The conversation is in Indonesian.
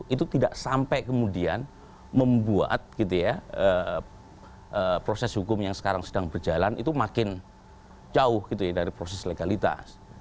itu tidak sampai kemudian membuat proses hukum yang sekarang sedang berjalan itu makin jauh gitu ya dari proses legalitas